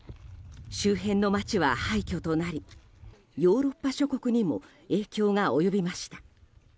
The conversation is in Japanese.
周辺の街は廃墟となりヨーロッパ諸国にも影響が及びました。